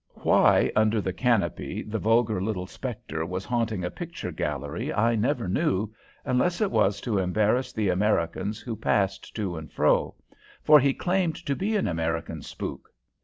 Why, under the canopy, the vulgar little spectre was haunting a picture gallery I never knew, unless it was to embarrass the Americans who passed to and fro, for he claimed to be an American spook.